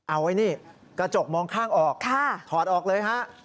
เอาไว้นี่กระจกมองข้างออกถอดออกเลยฮะ